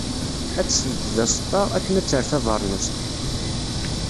Ad tessebded aẓeṭṭa, akken ad tter tabernust.